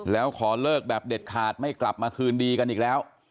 แล้วขอเลิกแบบเด็ดขาดไม่กลับมาคืนดีกันอีกแล้ว